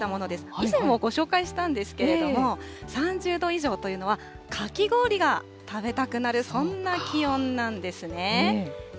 以前もご紹介したんですけれども、３０度以上というのは、かき氷が食べたくなる、そんな気温なんですね。